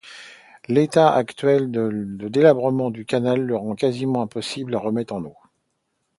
L’état actuel de délabrement du canal le rend quasiment impossible à remettre en eau.